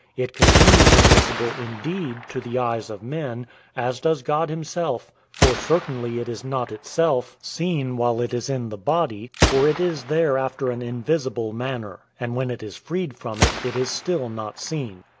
It continues invisible, indeed, to the eyes of men, as does God himself; for certainly it is not itself seen while it is in the body; for it is there after an invisible manner, and when it is freed from it, it is still not seen.